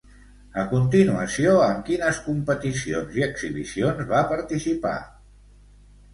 A continuació, en quines competicions i exhibicions va participar?